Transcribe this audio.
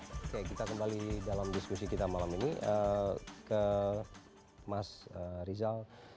oke kita kembali dalam diskusi kita malam ini ke mas rizal